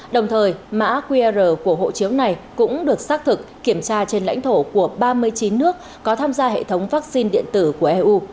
đồng thời mã qr của hộ chiếu này cũng được xác thực kiểm tra trên lãnh thổ của ba mươi chín nước có tham gia hệ thống vaccine điện tử của eu